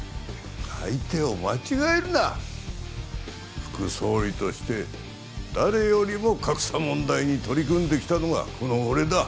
相手を間違えるな副総理として誰よりも格差問題に取り組んできたのがこの俺だ